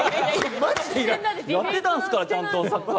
やってたんですからちゃんとサッカー。